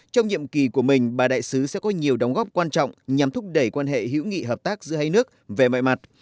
trong nhiệm kỳ của mình bà đại sứ sẽ có nhiều đóng góp quan trọng nhằm thúc đẩy quan hệ hữu nghị hợp tác giữa hai nước về mọi mặt